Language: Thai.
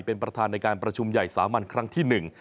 เป็นประธานในการประชุมใหญ่สามัญครั้งที่หนึ่ง